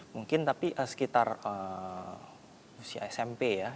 mungkin tapi sekitar usia smp ya